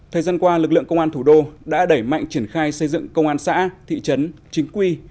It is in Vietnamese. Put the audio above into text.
thời gian qua lực lượng công an thủ đô đã đẩy mạnh triển khai xây dựng công an xã thị trấn chính quy